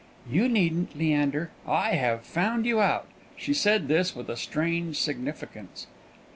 "You needn't, Leander; I have found you out." She said this with a strange significance.